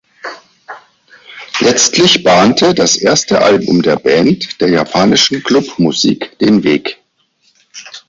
Letztlich bahnte das erste Album der Band der japanischen Club-Musik den Weg.